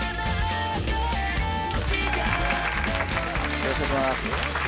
よろしくお願いします。